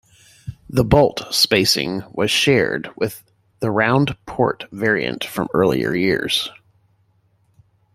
The bolt spacing was shared with the round-port variant from earlier years.